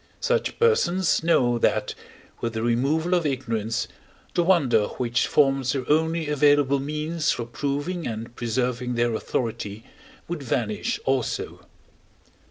Such persons know that, with the removal of ignorance, the wonder which forms their only available means for proving and preserving their authority would vanish also.